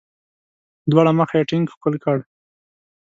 په دواړه مخه یې ټینګ ښکل کړ.